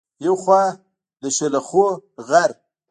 يو خوا د شلخو غر